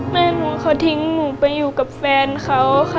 แม่หนูเขาทิ้งหนูไปอยู่กับแฟนเขาค่ะ